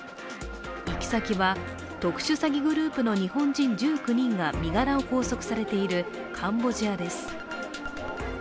行き先は特殊詐欺グループの日本人１９人が身柄を拘束されているカンボジアです。